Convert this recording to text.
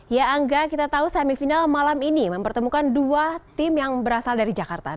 ya angga kita tahu semifinal malam ini mempertemukan dua tim yang berasal dari jakarta